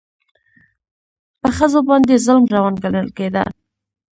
په ښځو باندې ظلم روان ګڼل کېده.